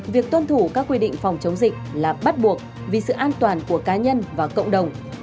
việc tuân thủ các quy định phòng chống dịch là bắt buộc vì sự an toàn của cá nhân và cộng đồng